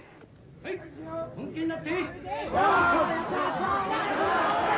はい本気になって。